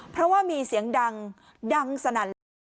เพราะว่ามีเสียงดังดังสนั่นเลย